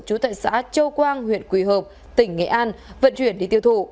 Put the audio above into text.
chú tại xã châu quang huyện quỳ hợp tỉnh nghệ an vận chuyển đi tiêu thụ